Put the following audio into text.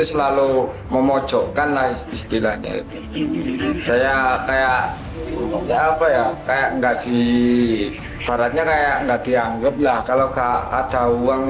sejak tempoh ini dennis dan istrinya memutuskan untuk bercerai di tahun dua ribu dua puluh dua